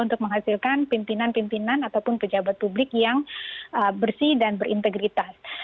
untuk menghasilkan pimpinan pimpinan ataupun pejabat publik yang bersih dan berintegritas